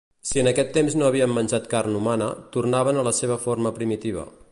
Si en aquest temps no havien menjat carn humana, tornaven a la seva forma primitiva.